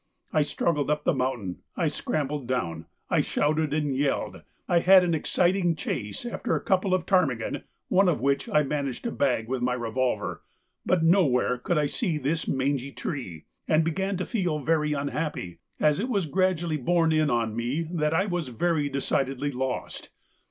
I struggled up the mountain, I scrambled down, I shouted and yelled, I had an exciting chase after a couple of ptarmigan, one of which I managed to bag with my revolver, but nowhere could I see this mangy tree, and began to feel very unhappy, as it was gradually borne in on me that I was very decidedly lost.